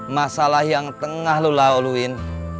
masalah yang tengah lo laluluin